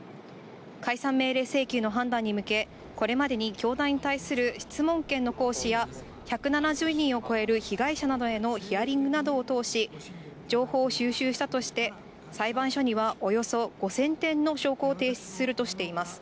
解散命令請求の判断に向け、これまでに教団に対する質問権の行使や、１７０人を超える被害者などへのヒアリングなどを通し、情報を収集したとして、裁判所にはおよそ５０００点の証拠を提出するとしています。